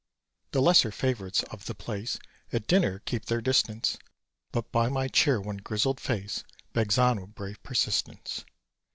The lesser favourites of the place At dinner keep their distance; But by my chair one grizzled face Begs on with brave persistence.